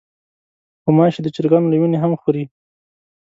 غوماشې د چرګانو له وینې هم خوري.